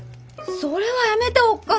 それはやめておっ母さん！